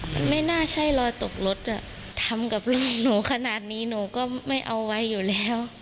มันไม่น่าใช่รอยตกรถทำกับลูกหนูขนาดนี้หนูก็ไม่เอาไว้อยู่แล้ว